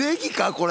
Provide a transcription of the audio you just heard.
これ。